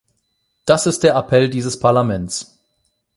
Das ist der Appell dieses Parlaments!